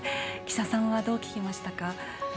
岸田さんはどう聞きましたか？